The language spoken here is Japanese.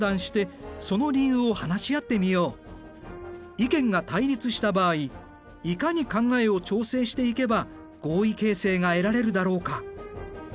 意見が対立した場合いかに考えを調整していけば合意形成が得られるだろうか。